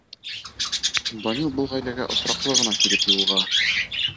Данил был ғаиләгә осраҡлы ғына килеп юлыға.